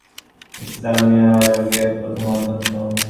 তিনি ছিলেন মাদ্রাসা আমিনিয়া ইসলামিয়া আরাবিয়ার প্রথম অধ্যক্ষ।